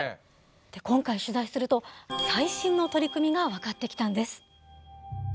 今回取材すると最新の取り組みが分かってきたんです。